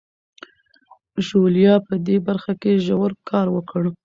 ژوليا په دې برخه کې ژور کار وکړ.